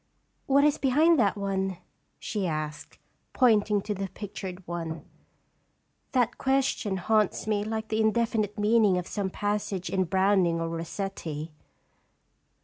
What is behind that one?" she asked, pointing to the pictured one. " That question haunts me like the indefinite meaning of some passage in Browning or Rossetti."